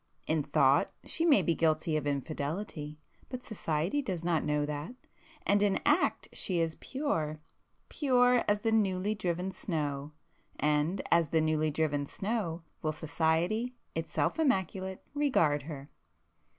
In thought she may be guilty of infidelity, but society does not know that,—and in act she is pure,—pure as the newly driven snow,—and as the newly driven snow, will society, itself immaculate, regard her!"